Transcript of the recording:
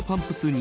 ２